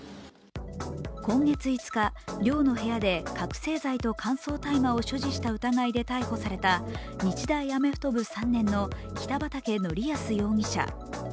今月５日、寮の部屋で覚醒剤と乾燥大麻を所持した疑いで逮捕された日大アメフト部３年の北畠成文容疑者。